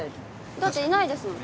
だっていないですもん。